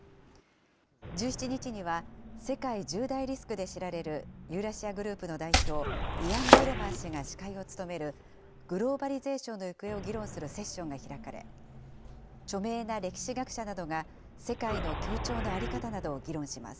１７日には世界１０大リスクで知られる、ユーラシアグループの代表、イアン・ブレマー氏が司会を務めるグローバリゼーションの行方を議論するセッションが開かれ、著名な歴史学者などが世界の協調の在り方などを議論します。